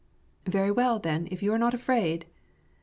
" Very well, then, if you are not afraid."